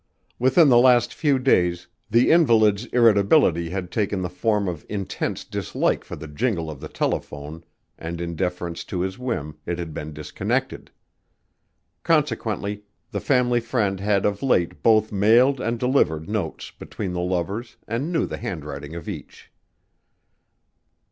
Within the last few days the invalid's irritability had taken the form of intense dislike for the jingle of the telephone and in deference to his whim it had been disconnected. Consequently the family friend had of late both mailed and delivered notes between the lovers and knew the handwriting of each.